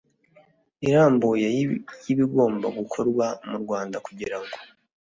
irambuye y'ibigomba gukorwa mu rwanda kugira ngo